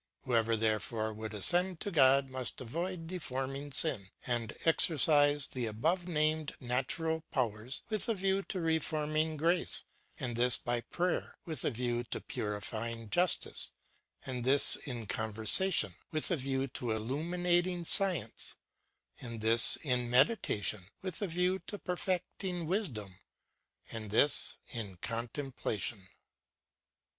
Whoever, therefore, would ascend to God must avoid deforming sin and exercise the above named natural powers, with a view to reforming grace, and this by prayer; with a view to purifying justice, and this in conversation ; with a view to illuminating sci ence, and this in nieditation ; with a view to perfecting wisdom, and this in contemplation.